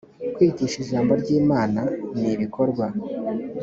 kwigisha ijambo ry imana ni ibikorwa